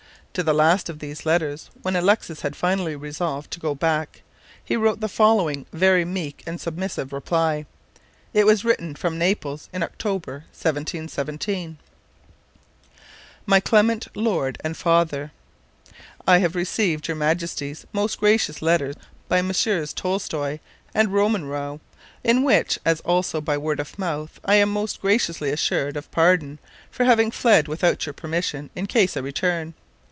To the last of these letters, when Alexis had finally resolved to go back, he wrote the following very meek and submissive reply. It was written from Naples in October, 1717: "MY CLEMENT LORD AND FATHER, "I have received your majesty's most gracious letter by Messrs. Tolstoi and Rumanrow, in which, as also by word of mouth, I am most graciously assured of pardon for having fled without your permission in case I return.